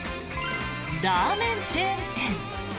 ラーメンチェーン店。